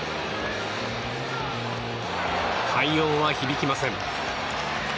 快音は響きません。